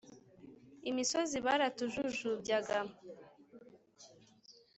imisozi baratujujubyaga,